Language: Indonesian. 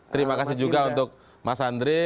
terima kasih juga untuk mas andre